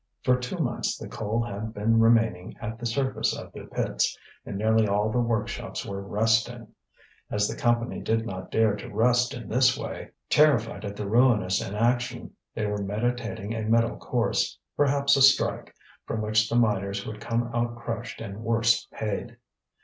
For two months the coal had been remaining at the surface of their pits, and nearly all the workshops were resting. As the Company did not dare to rest in this way, terrified at the ruinous inaction, they were meditating a middle course, perhaps a strike, from which the miners would come out crushed and worse paid.